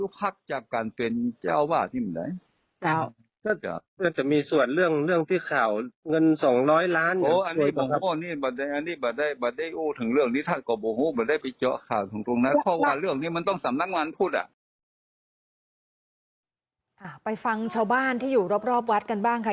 ไปฟังชาวบ้านที่อยู่รอบวัดกันบ้างค่ะ